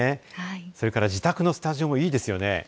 それから自宅のスタジオもいいですよね。